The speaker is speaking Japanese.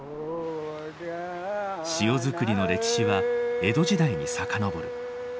塩作りの歴史は江戸時代に遡る。